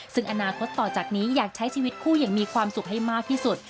ซึ่งอนาคตต่อจากนี้อยากใช้ชีวิตคู่อย่างมีความสุขให้มากที่สุด